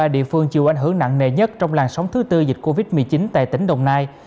là địa phương chịu ảnh hưởng nặng nề nhất trong làn sóng thứ tư dịch covid một mươi chín tại tỉnh đồng nai